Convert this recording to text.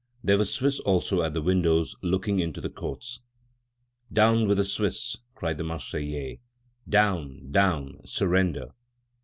There were Swiss also at the windows looking into the courts. "Down with the Swiss!" cried the Marseillais. "Down! down! Surrender!"